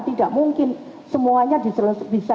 tidak mungkin semuanya bisa